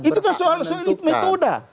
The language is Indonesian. itu kan soal metoda